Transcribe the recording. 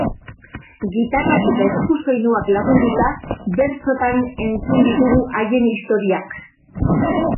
Gitarrak eta eskusoinuak lagunduta, bertsotan entzun ditugu haien historiak.